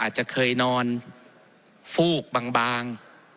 อาจจะเคยนอนฟูกบาง